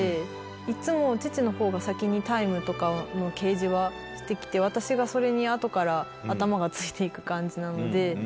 いっつも父のほうが先にタイムとかの提示はして来て私がそれに後から頭がついて行く感じなので。